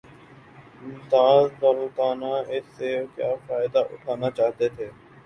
ممتاز دولتانہ اس سے کیا فائدہ اٹھانا چاہتے تھے؟